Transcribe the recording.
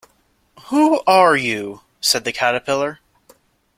‘Who are you?’ said the Caterpillar.